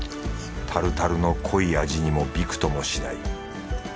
タルタルの濃い味にもびくともしない。